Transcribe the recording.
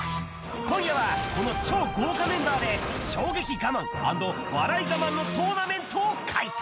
今夜は、この超豪華メンバーで、衝撃我慢、＆笑い我慢のトーナメントを開催。